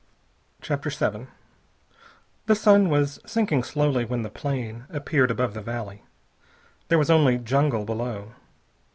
CHAPTER VII The sun was sinking slowly when the plane appeared above the valley. There was only jungle below.